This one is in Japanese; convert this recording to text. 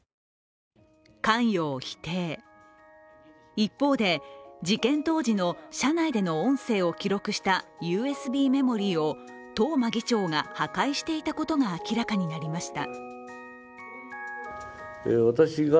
一方で、事件当時の車内での音声を記録したＵＳＢメモリーを東間議長が破壊していたことが明らかになりました。